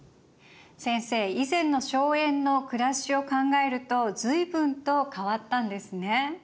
先生以前の荘園の暮らしを考えると随分と変わったんですね。